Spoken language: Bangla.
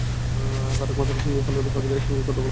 তার একমাত্র সঙ্গী হলদে পাখির সঙ্গে কথা বলেই নিজের সাধ মিটিয়েছে।